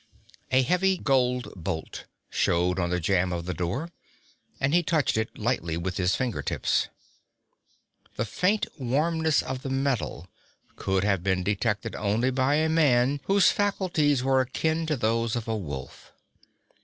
A heavy gold bolt showed on the jamb of the door, and he touched it lightly with his finger tips. The faint warmness of the metal could have been detected only by a man whose faculties were akin to those of a wolf.